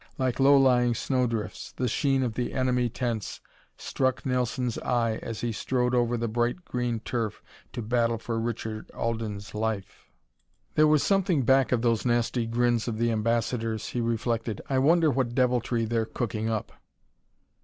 Like low lying snow drifts, the sheen of the enemy tents struck Nelson's eye as he strode over the bright green turf to battle for Richard Alden's life. "There was something back of those nasty grins of the ambassadors," he reflected. "I wonder what deviltry they're cooking up?"